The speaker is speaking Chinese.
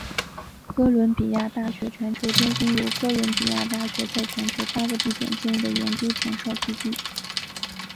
哥伦比亚大学全球中心是由哥伦比亚大学在全球八个地点建立的研究前哨基地。